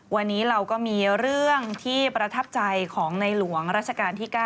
วันนี้เราก็มีเรื่องที่ประทับใจของในหลวงราชการที่๙